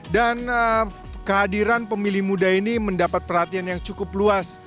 dan kehadiran pemilih muda ini mendapat perhatian yang cukup luas